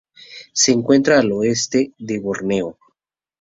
Se encuentra al oeste de Borneo.